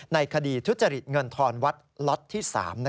ในคดีทุจริตเงินทอนวัดล็อตที่๓